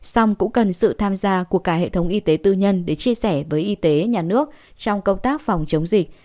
xong cũng cần sự tham gia của cả hệ thống y tế tư nhân để chia sẻ với y tế nhà nước trong công tác phòng chống dịch